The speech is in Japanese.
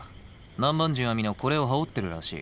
南蛮人は皆これを羽織ってるらしい。